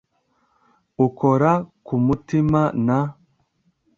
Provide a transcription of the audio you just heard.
ukora ku mutima na